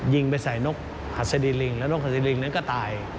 ยิงไปใส่นกหัสดีลิงแล้วนกหัสดีลิงนั้นก็ตาย